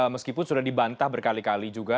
meskipun sudah dibantah berkali kali juga